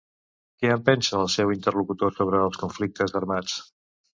Què en pensa el seu interlocutor sobre els conflictes armats?